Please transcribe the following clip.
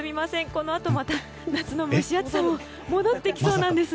このあとまた夏の蒸し暑さが戻ってきそうです。